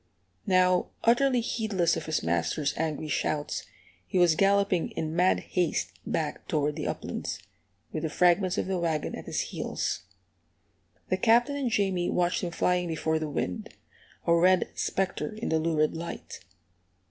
Now, utterly heedless of his master's angry shouts, he was galloping in mad haste back toward the uplands, with the fragments of the wagon at his heels. The Captain and Jamie watched him flying before the wind, a red spectre in the lurid light.